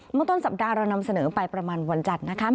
เมื่อต้นสัปดาห์เรานำเสนอไปประมาณวันจันทร์นะคะ